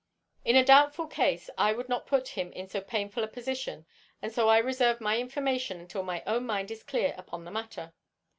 In a doubtful case I would not put him in so painful a position, and so I reserve my information until my own mind is clear upon the matter."